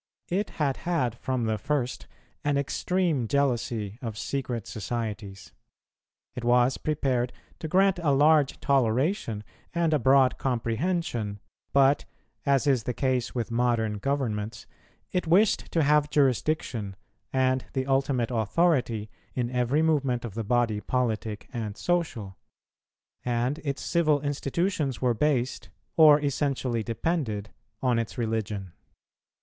It had had from the first an extreme jealousy of secret societies; it was prepared to grant a large toleration and a broad comprehension, but, as is the case with modern governments, it wished to have jurisdiction and the ultimate authority in every movement of the body politic and social, and its civil institutions were based, or essentially depended, on its religion.